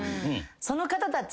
その方たち。